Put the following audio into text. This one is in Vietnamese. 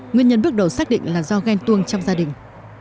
nguyên nhân bước đầu xác định là do ghen tuông trong gia đình